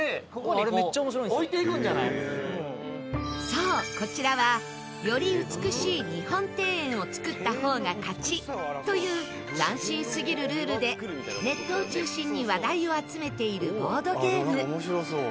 そうこちらはより美しい日本庭園を作った方が勝ちという斬新すぎるルールでネットを中心に話題を集めているボードゲーム。